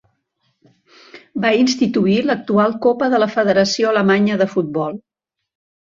Va instituir l'actual Copa de la Federació Alemanya de Futbol.